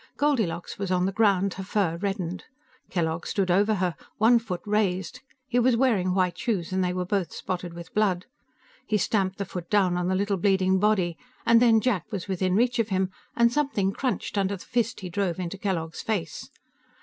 Goldilocks was on the ground, her fur reddened. Kellogg stood over her, one foot raised. He was wearing white shoes, and they were both spotted with blood. He stamped the foot down on the little bleeding body, and then Jack was within reach of him, and something crunched under the fist he drove into Kellogg's face.